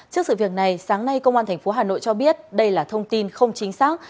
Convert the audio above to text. trước sự việc này sáng nay công an tp hà nội cho biết đây là thông tin không chính xác